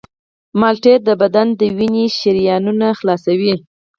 مالټې د بدن د وینې شریانونه خلاصوي.